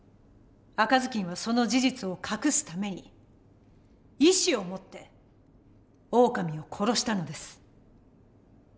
赤ずきんはその事実を隠すために意思を持ってオオカミを殺したのです。